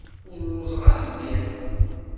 Ur lluẓeɣ ara mliḥ.